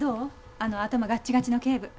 あの頭ガッチガチの警部。